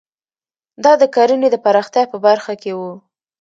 دا د کرنې د پراختیا په برخه کې وو.